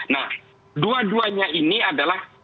nah dua duanya ini adalah